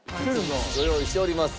ご用意しております。